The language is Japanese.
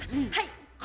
はい！